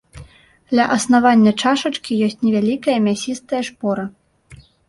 Ля аснавання чашачкі ёсць невялікая мясістая шпора.